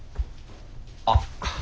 あっ！